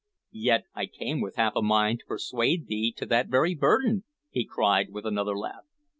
"Yet I came with half a mind to persuade thee to that very burden!" he cried, with another laugh.